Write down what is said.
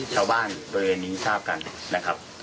ชาวบ้านบริเวณนี้ทราบกันนะครับ